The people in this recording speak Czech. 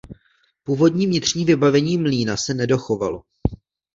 Původní vnitřní vybavení mlýna se nedochovalo.